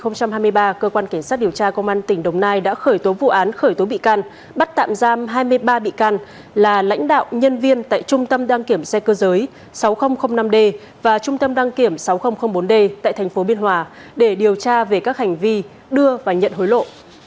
năm hai nghìn hai mươi ba cơ quan cảnh sát điều tra công an tỉnh đồng nai đã khởi tố vụ án khởi tố bị can bắt tạm giam hai mươi ba bị can là lãnh đạo nhân viên tại trung tâm đăng kiểm xe cơ giới sáu nghìn năm d và trung tâm đăng kiểm sáu nghìn bốn d tại thành phố biên hòa để điều tra về các hành vi đưa và nhận hối lộ